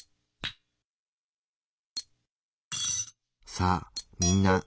さあみんな。